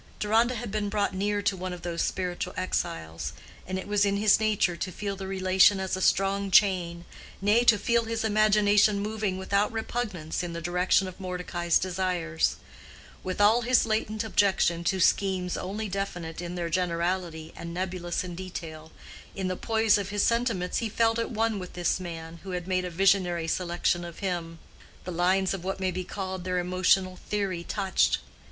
Deronda had been brought near to one of those spiritual exiles, and it was in his nature to feel the relation as a strong chain, nay, to feel his imagination moving without repugnance in the direction of Mordecai's desires. With all his latent objection to schemes only definite in their generality and nebulous in detail—in the poise of his sentiments he felt at one with this man who had made a visionary selection of him: the lines of what may be called their emotional theory touched.